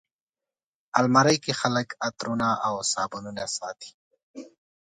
الماري کې خلک عطرونه او صابونونه ساتي